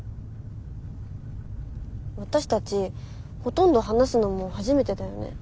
私たちほとんど話すのも初めてだよね？